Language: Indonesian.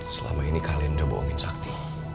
selama ini kalian udah bohongin sakti